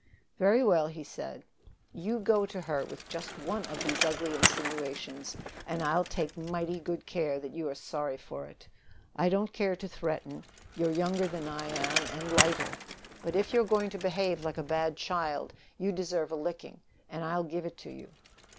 "Very well," he said. "You go to her with just one of these ugly insinuations, and I'll take mighty good care that you are sorry for it. I don't care to threaten. You're younger than I am, and lighter. But if you are going to behave like a bad child, you deserve a licking, and I'll give it to you."